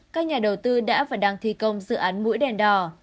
các nhà đầu tư đã và đang thi công dự án mũi đèn đỏ